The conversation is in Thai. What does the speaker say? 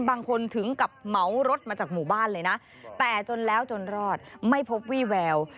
ถึงกับเหมารถมาจากหมู่บ้านเลยนะแต่จนแล้วจนรอดไม่พบวี่แวว